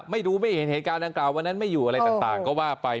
ไม่ดูไม่เห็นเหตุการณ์ดังกล่าวันนั้นไม่อยู่อะไรต่างก็ว่าไป